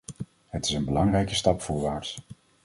Het is een belangrijke stap voorwaarts.